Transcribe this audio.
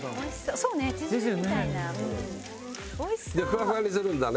そうね。